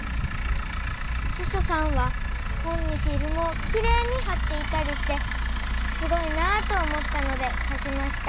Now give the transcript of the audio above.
ししょさんは本にフィルムをきれいにはっていたりしてすごいなと思ったのでかきました。